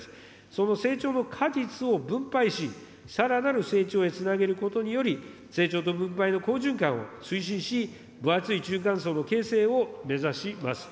その成長の果実を分配し、さらなる成長へつなげることにより、成長と分配の好循環を推進し、分厚い中間層の形成を目指します。